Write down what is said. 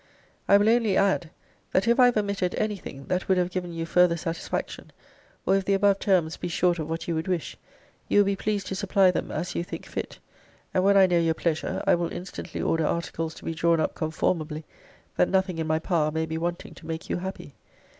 'I will only add, that if I have omitted any thing, that would have given you farther satisfaction; or if the above terms be short of what you would wish; you will be pleased to supply them as you think fit. And when I know your pleasure, I will instantly order articles to be drawn up comformably, that nothing in my power may be wanting to make you happy.